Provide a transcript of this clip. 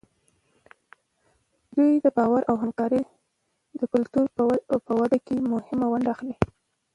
دوی د باور او همکارۍ د کلتور په وده کې مهمه ونډه اخلي.